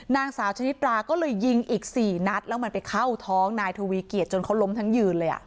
นางสาวชนิดราก็เลยยิงอีก๔นัดแล้วมันไปเข้าท้องนายทวีเกียจจนเขาล้มทั้งยืนเลย